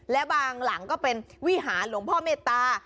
และบางหลังก็เป็นวิหารหลวงพ่อเมตตา